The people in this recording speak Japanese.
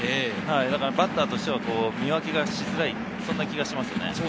バッターとしては見分けしづらい、そんな気がします。